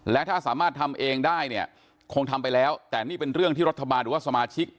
และถ้าสามารถทำเองได้เนี่ยคงทำไปแล้วแต่นี่เป็นเรื่องที่รัฐบาลหรือว่าสมาชิก